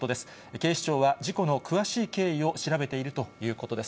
警視庁は、事故の詳しい経緯を調べているということです。